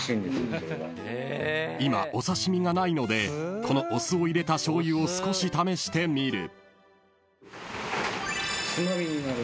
［今お刺し身がないのでこのお酢を入れたしょうゆを少し試してみる］